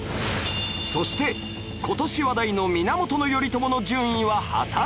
そして今年話題の源頼朝の順位は果たして？